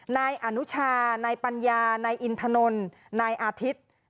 นายอนุชานายปัญญานายอินทนนนายอาทิตย์